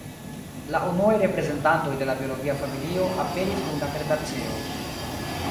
La unuaj reprezentantoj de la biologia familio aperis dum la kretaceo.